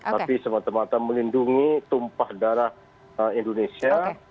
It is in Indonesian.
tapi semata mata melindungi tumpah darah indonesia